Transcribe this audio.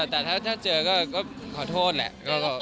แต่ถ้าเจอก็ขอโทษแหละ